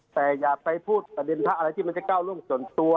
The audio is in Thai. แต่อย่าไปพูดประเด็นพระอะไรที่มันจะก้าวร่วงส่วนตัว